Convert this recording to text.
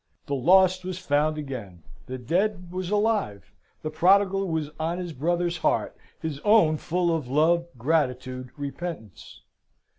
The lost was found again. The dead was alive. The prodigal was on his brother's heart, his own full of love, gratitude, repentance.